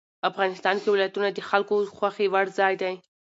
افغانستان کې ولایتونه د خلکو خوښې وړ ځای دی.